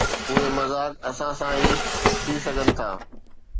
اهي مذاق اسان سان ئي ٿي سگهن ٿا.